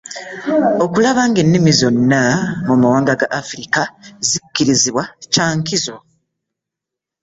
Okulaba ng'ennimi zonna mu mawanga ga Afirika zikkirizibwa kyankizo